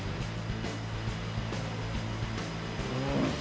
うん！